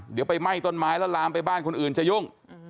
เดี๋ยวไปไหม้ต้นไม้แล้วลามไปบ้านคนอื่นจะยุ่ง